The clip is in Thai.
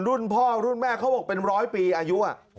รุ่นพ่อรุ่นแม่เขาบอกเป็นร้อยปีอายุ